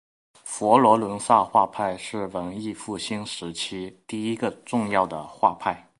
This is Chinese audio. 佛罗伦萨画派是文艺复兴时期第一个重要的画派。